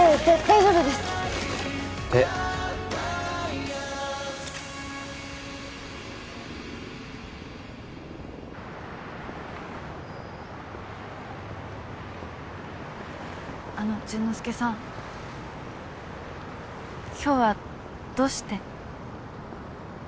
手あの潤之介さん今日はどうして？